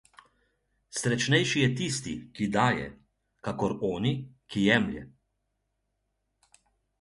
Srečnejši je tisti, ki daje, kakor oni, ki jemlje.